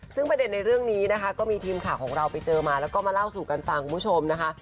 ซึ่งประเด็นในเรื่องนี้นะคะก็มีทีมข่าวของเราไปเจอมาแล้วก็มาเล่าสู่กันฟังคุณผู้ชมนะคะ